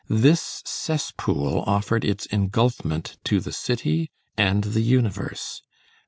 This cesspool offered its engulfment to the city and the universe.